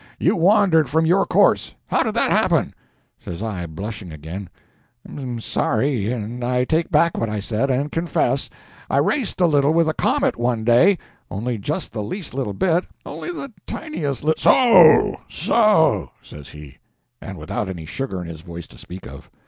You wandered from your course. How did that happen?" Says I, blushing again— "I'm sorry, and I take back what I said, and confess. I raced a little with a comet one day—only just the least little bit—only the tiniest lit—" "So—so," says he—and without any sugar in his voice to speak of.